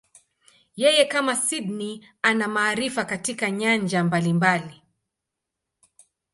Yeye, kama Sydney, ana maarifa katika nyanja mbalimbali.